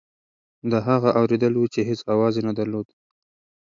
دا هغه اورېدل وو چې هېڅ اواز یې نه درلود.